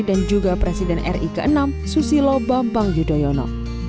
dan juga presiden ri ke enam susilo bambang yudhoyono